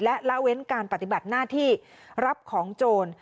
และละเว้นการปฏิบัติหน้าที่รับของโจร